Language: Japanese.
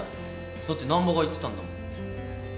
だって難破が言ってたんだもん。